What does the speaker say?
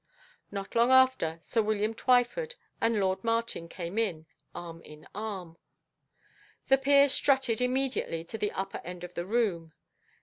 Not long after, sir William Twyford and lord Martin came in, arm in arm. The peer strutted immediately to the upper end of the room.